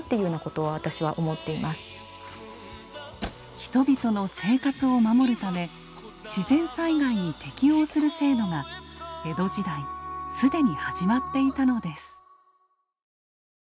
人々の生活を守るため自然災害に適応する制度が江戸時代既に始まっていたのです。